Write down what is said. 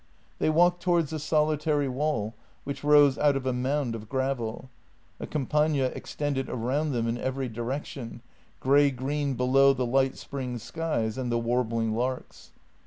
They walked to wards a solitary wall, which rose out of a mound of gravel; the Campagna extended around them in every direction, grey green below the light spring skies and the warbling larks.